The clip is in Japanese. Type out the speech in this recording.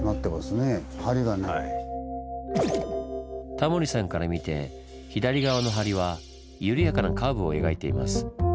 タモリさんから見て左側の梁は緩やかなカーブを描いています。